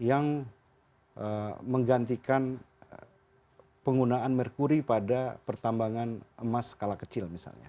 yang menggantikan penggunaan merkuri pada pertambangan emas skala kecil misalnya